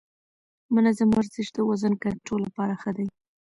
منظم ورزش د وزن کنټرول لپاره ښه دی.